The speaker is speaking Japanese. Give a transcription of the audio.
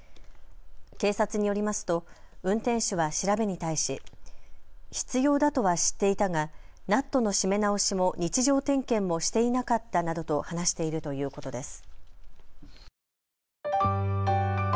警察によりますと運転手は調べに対し必要だとは知っていたがナットの締め直しも日常点検もしていなかったなどと話しているということです。